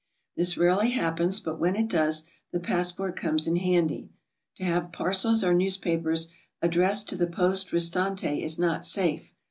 This rarely happens, but when it does, the passport comes in handy. To have parcels or newspapers addressed to the Poste Restante is not safe.